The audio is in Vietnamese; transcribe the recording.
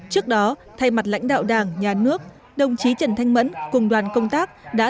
trước đó thay mặt lãnh đạo đảng nhà nước đồng chí trần thanh mẫn cùng đoàn công tác đã